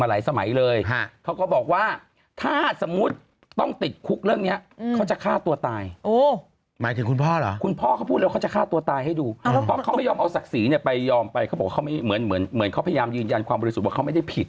พ่อเขาก็เป็นอดีตรัฐมนตรีมาหลายประตูไทยศาลมนตรีแล้วค่ะ